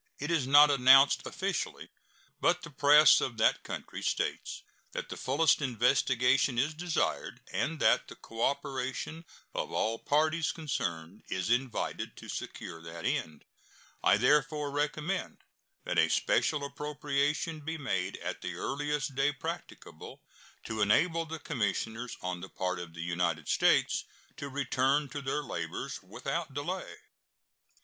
It is not announced officially, but the press of that country states that the fullest investigation is desired, and that the cooperation of all parties concerned is invited to secure that end. I therefore recommend that a special appropriation be made at the earliest day practicable, to enable the commissioners on the part of the United States to return to their labors without delay.